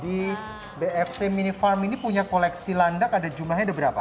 di bfc mini farm ini punya koleksi landak ada jumlahnya berapa